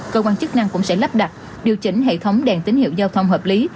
cơ quan chức năng cũng sẽ lắp đặt điều chỉnh hệ thống đèn tín hiệu giao thông hợp lý